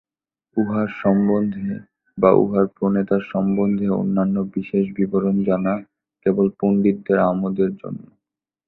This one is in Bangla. উহার সম্বন্ধে বা উহার প্রণেতার সম্বন্ধে অন্যান্য বিশেষ বিবরণ জানা কেবল পণ্ডিতদের আমোদের জন্য।